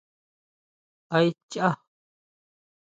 ¿A aé chaá?